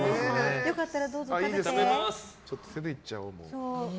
よかったらどうぞ、食べて。